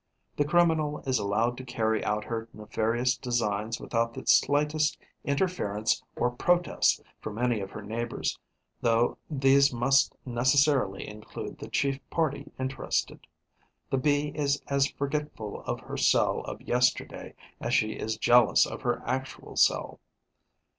The criminal is allowed to carry out her nefarious designs without the slightest interference or protest from any of her neighbours, though these must necessarily include the chief party interested. The Bee is as forgetful of her cell of yesterday as she is jealous of her actual cell.